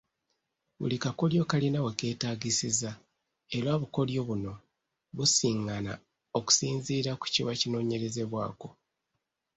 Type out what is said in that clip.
Buli kakodyo kalina we keetaagisiza era obukodyo buno busiŋŋana okusinziira ku kiba kinoonyerezebwako.